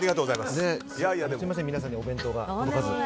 すみません、皆さんにお弁当が届かず。